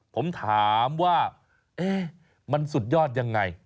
ผมถามว่ามันสุดยอดยังไง